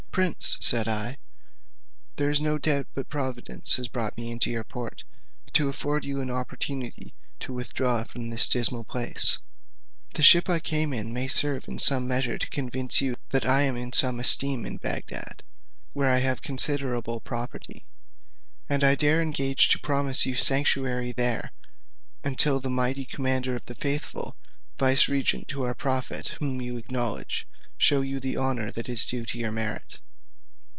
"Prince," said I, "there is no doubt but Providence has brought me into your port, to afford you an opportunity of withdrawing from this dismal place. The ship I came in may serve in some measure to convince you that I am in some esteem at Bagdad, where I have left considerable property; and I dare engage to promise you sanctuary there, until the mighty commander of the faithful, vicegerent to our prophet whom you acknowledge, shew you the honour that is due to your merit.